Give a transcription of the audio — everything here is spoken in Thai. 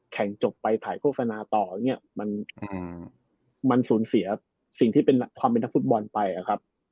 จบไปถ่ายโฆษณาต่ออย่างนี้มันสูญเสียสิ่งที่เป็นความเป็นนักฟุตบอลไปอะครับ